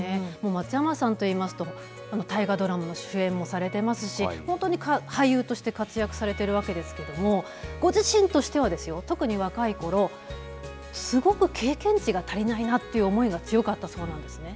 松山さんといいますと、大河ドラマの主演もされていますし、本当に俳優として活躍されているわけですけれども、ご自身としては、特に若いころ、すごく経験値が足りないなっていう思いが強かったそうなんですね。